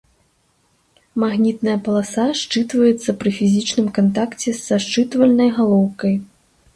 Магнітная паласа счытваецца пры фізічным кантакце са счытвальнай галоўкай.